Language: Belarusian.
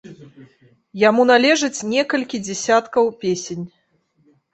Яму належыць некалькі дзясяткаў песень.